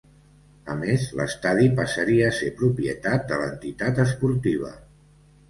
A més, l'estadi passaria a ser propietat de l'entitat esportiva.